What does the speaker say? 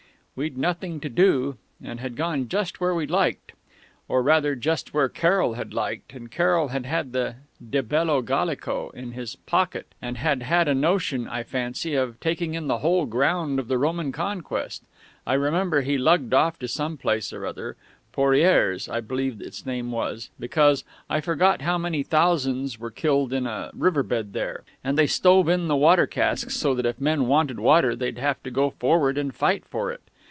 We'd nothing to do, and had gone just where we liked, or rather just where Carroll had liked; and Carroll had had the De Bello Gallico in his pocket, and had had a notion, I fancy, of taking in the whole ground of the Roman conquest I remember he lugged me off to some place or other, Pourrières I believe its name was, because I forget how many thousands were killed in a river bed there, and they stove in the water casks so that if the men wanted water they'd have to go forward and fight for it.